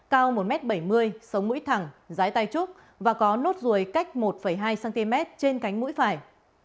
cao một m bảy mươi sống mũi thẳng trái tay trúc và có nốt ruồi cách một hai cm trên cánh mũi phải